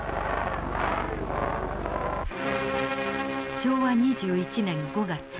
昭和２１年５月。